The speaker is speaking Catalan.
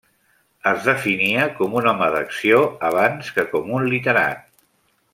Es definia com un home d'acció, abans que com un literat.